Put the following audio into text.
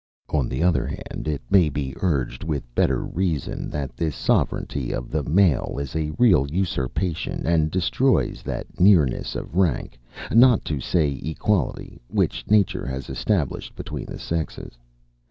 On the other hand, it may be urged with better reason, that this sovereignty of the male is a real usurpation, and destroys that nearness of rank, not to say equality, which nature has established between the sexes.